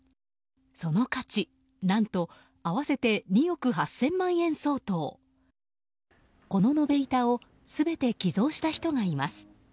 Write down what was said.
その価値、何と合わせて２億８０００万円相当この延べ板を全て寄贈した人がいます。